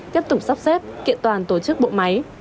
tiếp tục sắp xếp kiện toàn tổ chức bộ máy